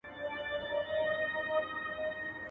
غلبېل کوزې ته ول سورۍ.